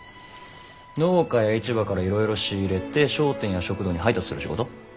農家や市場からいろいろ仕入れて商店や食堂に配達する仕事。